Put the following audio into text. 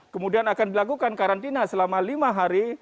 kemudian akan dilakukan karantina selama lima hari